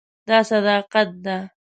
دا صداقت ده.